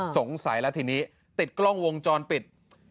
สงสัยแล้วทีนี้ติดกล้องวงจรปิด